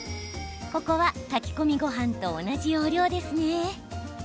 ここは炊き込みごはんと同じ要領ですね。